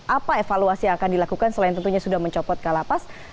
apa evaluasi yang akan dilakukan selain tentunya sudah mencopot kalapas